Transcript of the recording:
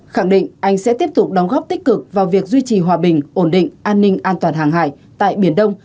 khẳng định anh sẽ tiếp tục đóng góp tích cực vào việc duy trì hòa bình ổn định an ninh an toàn hàng hải tại biển đông